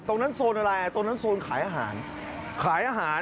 ตรงนั้นโซนอะไรอ่ะตรงนั้นโซนขายอาหารขายอาหาร